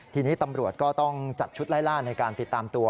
ทีนี้ตำรวจก็ต้องจัดชุดไล่ล่าในการติดตามตัว